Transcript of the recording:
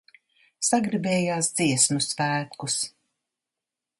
Sagribējās Dziesmu svētkus.